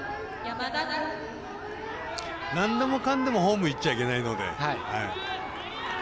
なんでもかんでもホームいっちゃいけないので。